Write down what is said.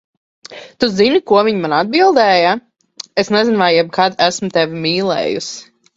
Un zini, ko viņa man atbildēja, "Es nezinu, vai jebkad esmu tevi mīlējusi."